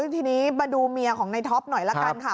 ทีนี้มาดูเมียของในท็อปหน่อยละกันค่ะ